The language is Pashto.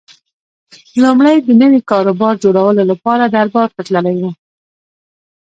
لومړی د نوي کاروبار جوړولو لپاره دربار ته تللی و